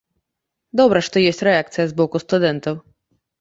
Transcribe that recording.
Добра, што ёсць рэакцыя з боку студэнтаў.